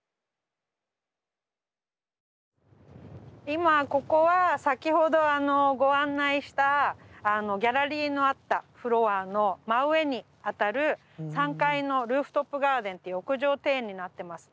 今ここは先ほどあのご案内したギャラリーのあったフロアの真上に当たる３階のルーフトップガーデンという屋上庭園になってます。